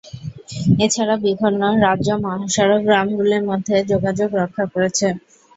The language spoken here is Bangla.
এছাড়া বিভিন্ন রাজ্য মহাসড়ক গ্রামগুলির মধ্যে যোগাযোগ রক্ষা করেছে।